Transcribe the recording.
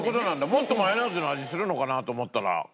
もっとマヨネーズの味するのかなと思ったら。